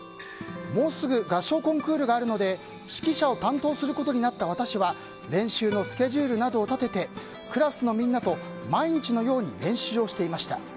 もうすぐ合唱コンクールがあるので指揮者を担当することになった私は練習のスケジュールなどを立ててクラスのみんなと毎日のように練習をしていました。